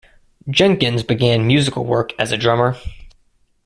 Jenkins began musical work as a drummer.